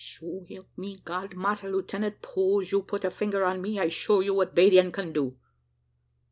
'" "So 'elp me Gad, Massa Lieutenant, 'pose you put a finger on me, I show you what 'Badian can do."